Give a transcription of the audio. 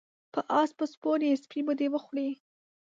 په اس به سپور یی سپی به دی وخوري